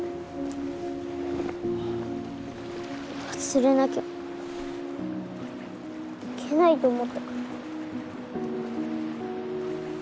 忘れなきゃいけないと思ったから。